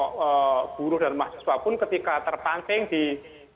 bahkan kelompok buruh dan mahasiswa pun ketika terpanting mereka keluar